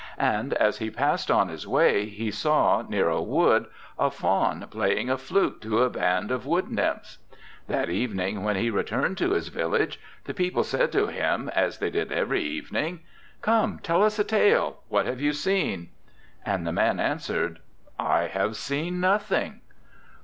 And as he passed on his way he saw, near a wood, a Faun playing a flute to a band of wood nymphs. 'That evening when he returned to his village the people said to him as they did every evening, "Come, tell us a tale: what have you seen?" 'And the man answered, "I have seen nothing."'